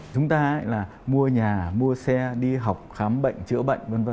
chúng ta là mua nhà mua xe đi học khám bệnh chữa bệnh v v